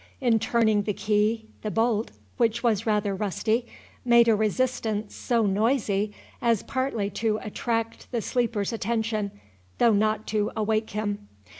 In turning the key, the bolt, which was rather rusty, made a resistance so noisy, as partly to attract the sleeper's attention, though not to awake him.